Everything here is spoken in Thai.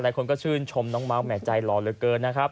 คนก็ชื่นชมน้องเมาส์แห่ใจหล่อเหลือเกินนะครับ